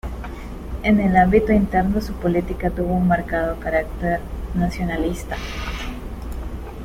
En el ámbito interno, su política tuvo un marcado carácter nacionalista.